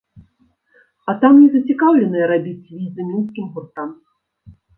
А там не зацікаўленыя рабіць візы мінскім гуртам.